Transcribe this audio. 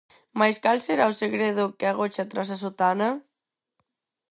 Mais cal será o segredo que agocha tras a sotana?